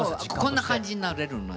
こんな感じになれるのよ。